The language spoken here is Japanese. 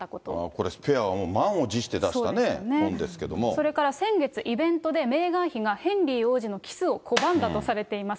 これ、スペアは満を持して出したね、それから先月、イベントでメーガン妃がヘンリー王子のキスを拒んだとされています。